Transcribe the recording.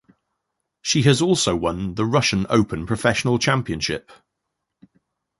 She has also won the Russian Open Professional Championship.